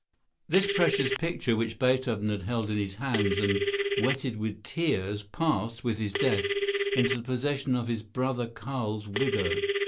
This precious picture, which Beethoven had held in his hands and wetted with his tears, passed, with his death, into the possession of his brother Carl's widow.